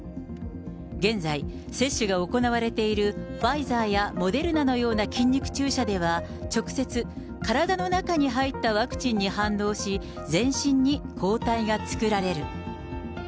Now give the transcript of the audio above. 現在、接種が行われているファイザーやモデルナのような筋肉注射では、直接、体の中に入ったワクチンに反応し、全身に抗体が作られる。